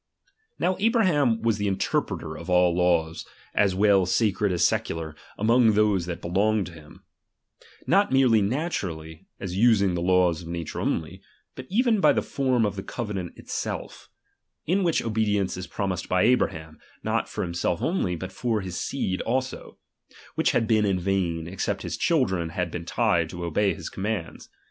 Now Abraham was the interpreter of all laws, as well sacred as secular, among those that "j^ belonged to him ; not merely naturally, as using the laws of nature only, but even by the form of the covenant itself ; in which obedience is pro mised by Abraham, not for himself only, but for his seed also ; which had been in vain, except his children had been tied to obey his commands.